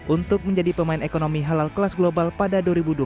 untuk menjadi pemain ekonomi halal kelas global pada dua ribu dua puluh satu